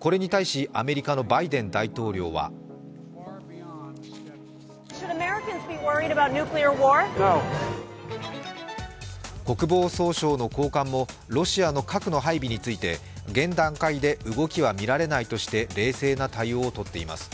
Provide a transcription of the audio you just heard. これに対し、アメリカのバイデン大統領は国防総省の高官もロシアの核の配備について現段階で動きはみられないとして冷静な対応をとっています。